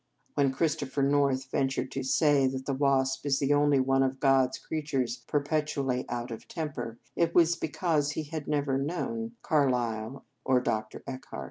When Christopher North ventured to say that the wasp is the only one of God s creatures perpetu ally out of temper, it was because he never knew Carlyle or Dr. Eckhart.